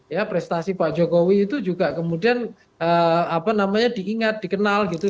ya prestasi pak jokowi itu juga kemudian apa namanya diingat dikenal gitu